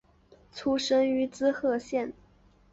出身于滋贺县。